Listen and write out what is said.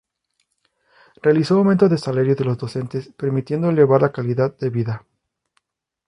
Realizó aumento del salario de los docentes, permitiendo elevar la calidad de vida.